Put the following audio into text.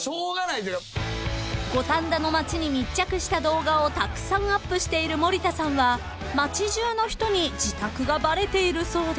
［五反田の街に密着した動画をたくさんアップしている森田さんは街中の人に自宅がバレているそうで］